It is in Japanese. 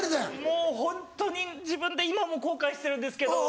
もうホントに自分で今も後悔してるんですけど。